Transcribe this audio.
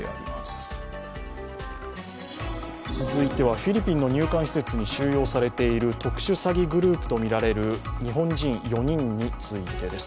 フィリピンの入管施設に収容されている特殊詐欺グループとみられる日本人４人についてです。